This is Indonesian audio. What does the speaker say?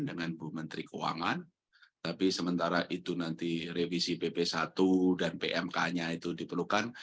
dengan bu menteri keuangan tapi sementara itu nanti revisi pp satu dan pmk nya itu diperlukan